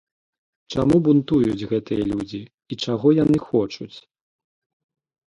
Чаму бунтуюць гэтыя людзі і чаго яны хочуць?